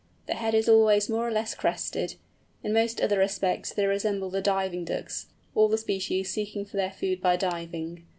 The head is always more or less crested; in most other respects they resemble the Diving Ducks, all the species seeking for their food by diving.